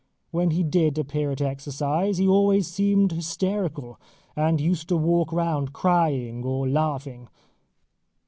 When he did appear at exercise, he always seemed hysterical, and used to walk round crying or laughing.